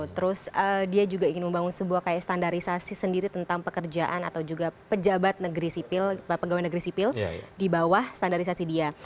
terus dia juga ingin membangun sebuah kayak standarisasi sendiri tentang pekerjaan atau juga pejabat pegawai negeri sipil di bawah standarisasi dia